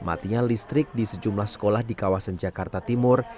matinya listrik di sejumlah sekolah di kawasan jakarta timur